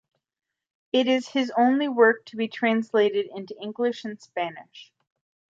It is his only work to be translated into English and Spanish.